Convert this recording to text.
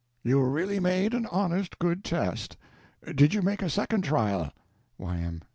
You really made an honest good test. Did you make a second trial? Y.M.